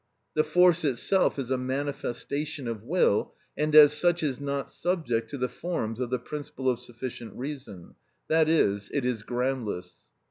The force itself is a manifestation of will, and as such is not subject to the forms of the principle of sufficient reason, that is, it is groundless.